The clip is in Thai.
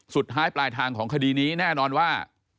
สุดท้ายปลายทางของคดีนี้แน่นอนว่า